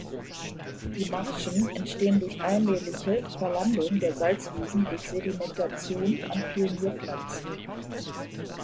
Die Marschen entstehen durch allmähliche Verlandung der Salzwiesen durch Sedimentation an Pionierpflanzen.